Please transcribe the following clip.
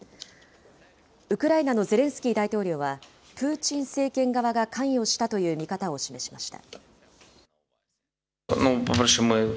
ウクライナのゼレンスキー大統領は、プーチン政権側が関与したという見方を示しました。